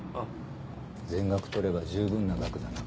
全額取れば十分な額だな。